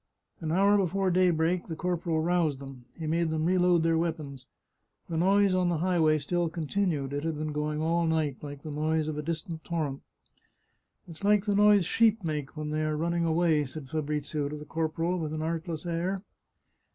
An hour before daybreak the corporal roused them ; he made them reload their weapons. The noise on the highway still continued ; it had been going on all night, like the noise of a distant torrent. " It's like the noise sheep make when they are running away," said Fabrizio to the corporal, with an artless air.